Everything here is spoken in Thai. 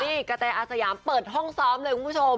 นี่กระแตอาสยามเปิดห้องซ้อมเลยคุณผู้ชม